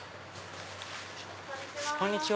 こんにちは。